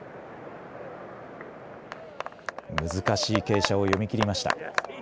難しい傾斜を読み切りました。